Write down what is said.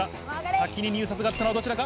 先に入札があったのはどちらか？